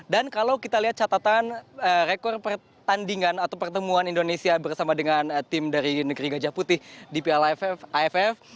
dan kalau kita lihat catatan rekor pertandingan atau pertemuan indonesia bersama dengan tim dari negeri gajah putih di piala iff